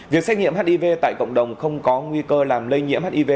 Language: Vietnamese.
việc xét nghiệm hiv tại cộng đồng không có nguy cơ làm lây nhiễm hiv